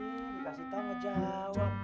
iya dikasih tau ngejawab